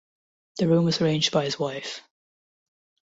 The room was arranged by his wife.